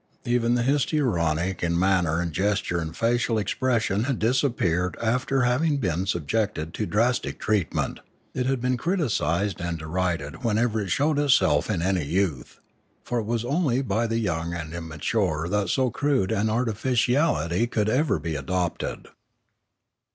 Even the histrionic in manner and gesture and facial expression had disappeared after having been subjected to drastic treatment; it had been criticised and derided whenever it showed itself in any youth; for it was only by the young and immature that so crude an artificiality could ever be adopted.